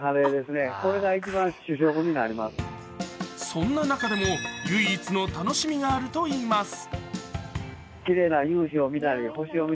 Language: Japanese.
そんな中でも唯一の楽しみがあるといいます。